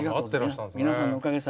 皆さんのおかげです。